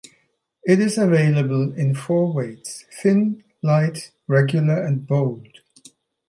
It is available in four weights: thin, light, regular and bold.